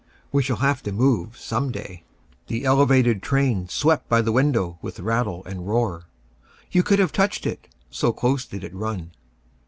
We shall have to move some day." The elevated train swept by the window with rattle and roar. You could have touched it, so close did it run.